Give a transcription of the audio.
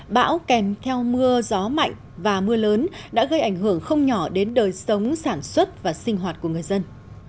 bão kèm theo mưa gió mạnh và mưa lớn đã gây ảnh hưởng không nhỏ đến đời sống sản xuất và sinh hoạt của người dân